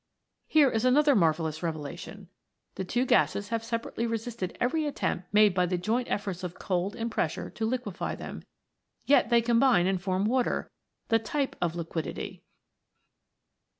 Here is another marvellous revelation ! The two gases have separately resisted every attempt made by the joint efforts of cold and pressure to liquify them, yet they combine and form water, the type of liquidity